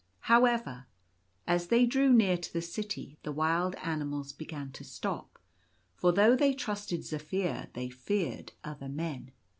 However, as they drew near to the City the wild animals began to stop, for though they trusted Zaphir they feared other men.